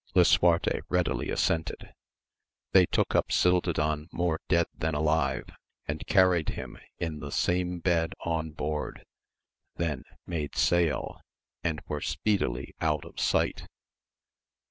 Lisuarte readily assented. They \ AMADIS OF GAUL. 61 took up Gildadan more dead than alive, and carried liim in the same bed on board, then made sail, and were speedily out of sight.